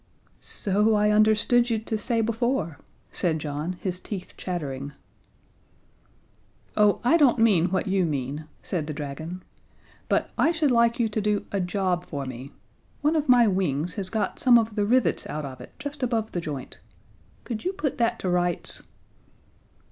"So I understood you to say before," said John, his teeth chattering. "Oh, I don't mean what you mean," said the dragon, "but I should like you to do a job for me. One of my wings has got some of the rivets out of it just above the joint. Could you put that to rights?"